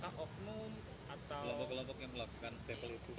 kelompok kelompok yang melakukan stempel itu